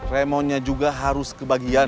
remonnya juga harus kebagian